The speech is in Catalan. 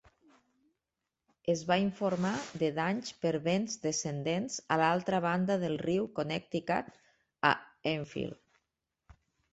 Es va informar de danys per vents descendents a l'altra banda del riu Connecticut a Enfield.